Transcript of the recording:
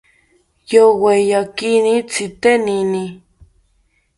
Yoweyakini tzitenini